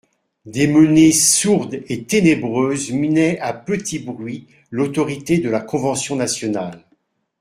Des menées sourdes et ténébreuses minaient à petit bruit l'autorité de la Convention nationale.